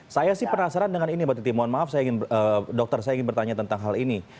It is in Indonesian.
saya sih penasaran dengan ini mbak titi mohon maaf dokter saya ingin bertanya tentang hal ini